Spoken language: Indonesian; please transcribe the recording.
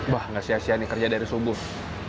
bah nggak sia sia nih kerja dari subuh